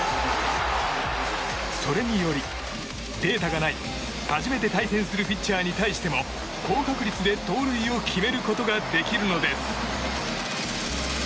それによりデータがない、初めて対戦するピッチャーに対しても高確率で盗塁を決めることができるのです。